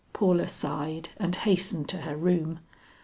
Paula sighed and hastened to her room.